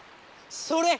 それ！